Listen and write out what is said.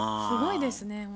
すごいですね。